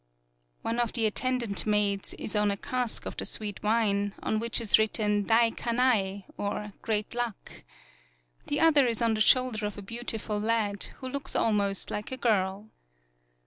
... One of the attendant maids is on a cask of the sweet wine, on which is written Dai kanai, or Great Luck. The other is on the shoulder of a beautiful lad, who looks almost like a girl.